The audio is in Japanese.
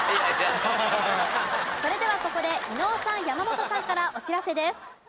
それではここで伊野尾さん山本さんからお知らせです。